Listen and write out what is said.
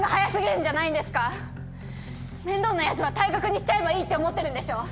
面倒なやつは退学にしちゃえばいいって思ってるんでしょ。